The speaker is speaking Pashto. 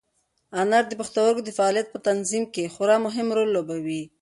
انار د پښتورګو د فعالیت په تنظیم کې خورا مهم رول لوبوي.